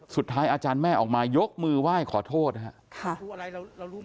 สุดท้ายอาจารย์แม่ออกมายกมือไหว้ขอโทษครับ